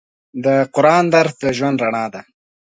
د قرآن درس د ژوند رڼا ده.